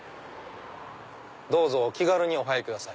「どうぞお気軽にお入りください」。